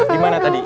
di mana tadi